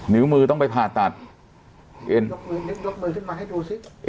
นิ้วมือต้องไปผ่าตัดเอ็นยกมือนึกยกมือขึ้นมาให้ดูสิ